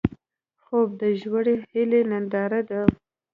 خوب د ژورې هیلې ننداره ده